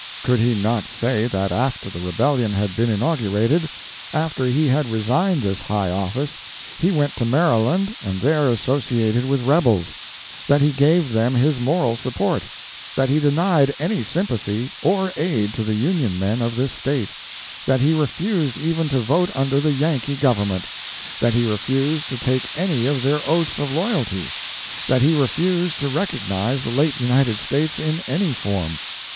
Could he not say that after the rebellion had been inaugurated, after he had resigned this high office, he went to Maryland and there associated with rebels; that he gave them his moral support; that he denied any sympathy or aid to the Union men of this State; that he refused even to vote under the Yankee Government; that he refused to take any of their oaths of loyalty; that he refused to recognize the late United States in any form?